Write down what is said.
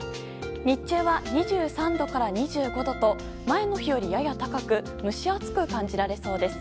日中は２３度から２５度と前の日よりやや高く蒸し暑く感じられそうです。